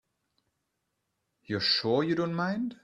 You're sure you don't mind?